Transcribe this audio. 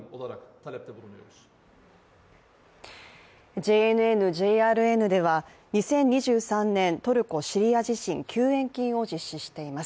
ＪＮＮ・ＪＲＮでは２０２３年トルコ・シリア地震救援金を実施しています。